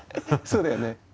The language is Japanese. そうだよね。